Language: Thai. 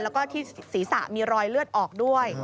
แล้วก็ที่ศีรษะมีรอยเลือดออกด้วย